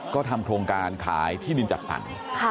ก็ทำโครงการขายที่ดินจัดสรร